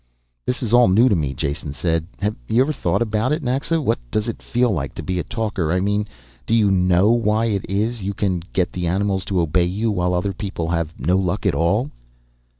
"This is all new to me," Jason said. "Have you ever thought about it, Naxa? What does it feel like to be a talker? I mean, do you know why it is you can get the animals to obey you while other people have no luck at all?"